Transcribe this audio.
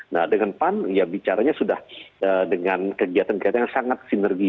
nah dengan pan ya bicaranya sudah dengan kegiatan kegiatan yang sangat sinergi